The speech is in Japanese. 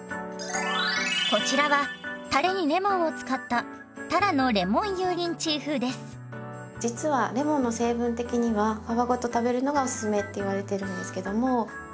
こちらはたれにレモンを使った実はレモンの成分的には皮ごと食べるのがおすすめって言われてるんですけども。